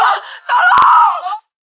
ya allah tolong